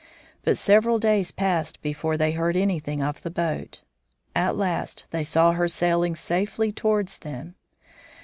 But several days passed before they heard anything of the boat. At last they saw her sailing safely toward them.